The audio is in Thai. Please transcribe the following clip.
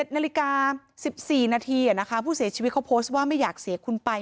๑นาฬิกา๑๔นาทีผู้เสียชีวิตเขาโพสต์ว่าไม่อยากเสียคุณไป